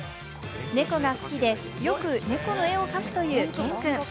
猫が好きでよく猫の絵を描くというＫＥＮくん。